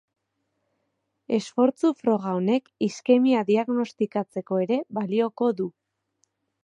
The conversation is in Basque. Esfortzu froga honek, iskemia diagnostikatzeko ere balioko du.